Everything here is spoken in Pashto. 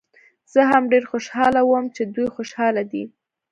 زه هم ډېر خوشحاله وم چې دوی خوشحاله دي.